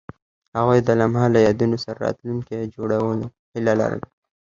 هغوی د لمحه له یادونو سره راتلونکی جوړولو هیله لرله.